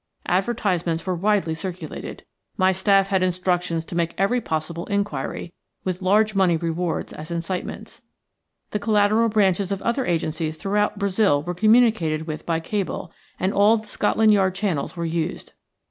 Advertisements were widely circulated. My staff had instructions to make every possible inquiry, with large money rewards as incitements. The collateral branches of other agencies throughout Brazil were communicated with by cable, and all the Scotland Yard channels were used.